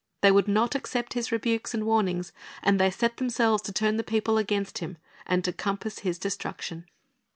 They would not accept His rebukes and warnings, and they set themselves to turn the people against Him and to compass His destruction.